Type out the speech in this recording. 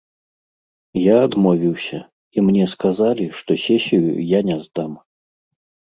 Я адмовіўся, і мне сказалі, што сесію я не здам.